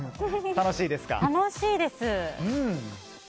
楽しいです。